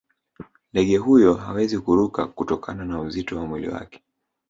ndege huyo hawezi kuruka kutokana na uzito wa mwili wake